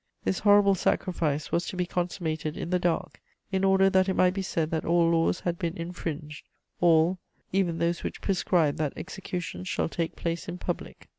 This horrible sacrifice was to be consummated in the dark, in order that it might be said that all laws had been infringed, all, even those which prescribed that executions shall take place in public."